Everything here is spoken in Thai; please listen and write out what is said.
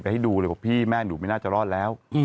ให้ดูเลยบอกพี่แม่หนูไม่น่าจะรอดแล้ว